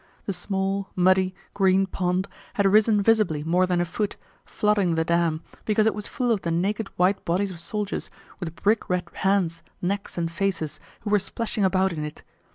The small, muddy, green pond had risen visibly more than a foot, flooding the dam, because it was full of the naked white bodies of soldiers with brick red hands, necks, and faces, who were splashing about in it.